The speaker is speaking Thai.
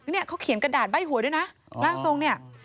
เนี่ยเขาเขียนกระดาษใบ้หัวด้วยนะร่างทรงเนี่ย